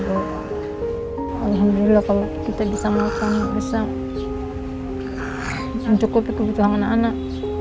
bunga alhamdulillah kalau kita bisa mau kamu bisa mencukupi kebutuhan anak anak